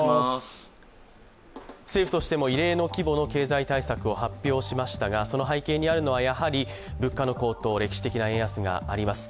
政府としても異例の規模の経済対策を発表しましたがその背景にあるのは、やはり物価の高騰、歴史的な円安があります。